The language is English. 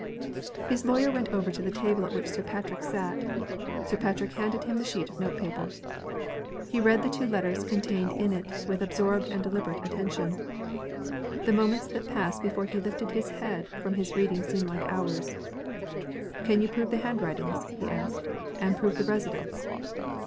His lawyer went over to the table at which Sir Patrick sat. Sir Patrick handed him the sheet of note paper. He read the two letters contained in it with absorbed and deliberate attention. The moments that passed before he lifted his head from his reading seemed like hours. "Can you prove the handwritings?" he asked. "And prove the residence?"